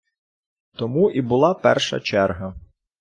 Тому і була перша черга.